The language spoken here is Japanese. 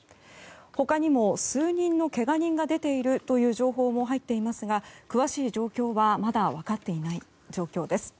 他にも数人のけが人が出ているという情報も入っていますが詳しい状況はまだ分かっていない状況です。